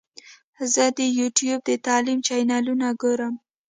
زه د یوټیوب د تعلیم چینلونه ګورم.